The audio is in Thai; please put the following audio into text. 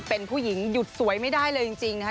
เป็นผู้หญิงหยุดสวยไม่ได้เลยจริงนะคะ